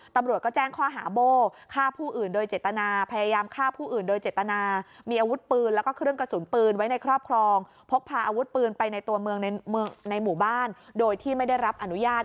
ตำรวจก็แจ้งค่าหาโบ้ฆ่าผู้อื่นโดยเจตนาพยายามฆ่าผู้อื่นโดยเจตนา